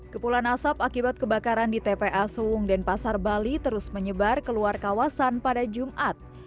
kepulan asap akibat kebakaran di tpa suwung denpasar bali terus menyebar keluar kawasan pada jumat